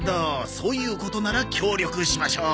そういうことなら協力しましょう。